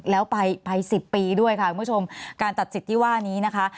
แล้วไป๑๐ปีด้วยค่ะคุณผู้ชมการตัดสิทธิ์ที่ว่านี้นะคะ